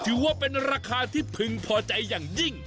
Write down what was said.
ถือว่าเป็นราคาที่พึงพอใจอย่างยิ่ง